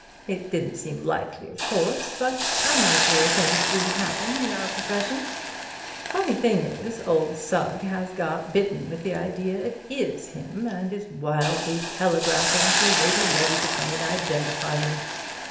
It didn't seem likely, of course, but unlikelier things do happen in our profession. The funny thing is, old Sugg has got bitten with the idea it is him, and is wildly telegraphing to Lady Levy to come and identify him.